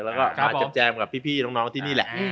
แล้วก็มาแจมกับพี่น้องที่นี่แหละ